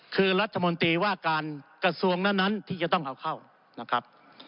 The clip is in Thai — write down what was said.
คือรัฐมนตรีว่าการกระทรวงนั้นที่จะต้องเอาเข้านะครับ